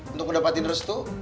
untuk mendapatin restu